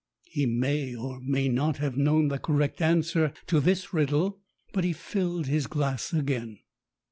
He may, or may not, have known the correct answer to this riddle. But he filled his glass again.